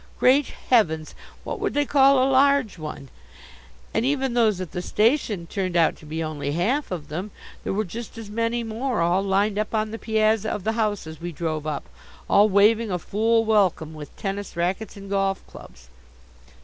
Great heavens, what would they call a large one? And even those at the station turned out to be only half of them. There were just as many more all lined up on the piazza of the house as we drove up, all waving a fool welcome with tennis rackets and golf clubs.